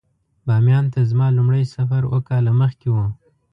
بامیان ته زما لومړی سفر اووه کاله مخکې و.